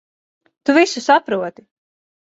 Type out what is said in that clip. Tu visu saproti.